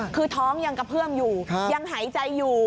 คือท้องยังกระเพื่อมอยู่ยังหายใจอยู่